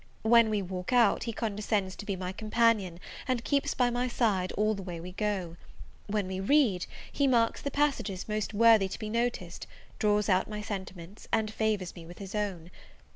When we walk out, he condescends to be my companion, and keeps by my side all the way we go. When we read, he marks the passages most worthy to be noticed, draws out my sentiments, and favours me with his own.